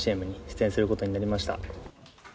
ＣＭに出演することになりました。